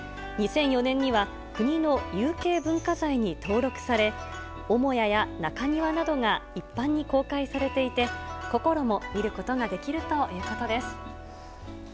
２００４年には国の有形文化財に登録され、母屋や中庭などが一般に公開されていて、こころも見ることができるということです。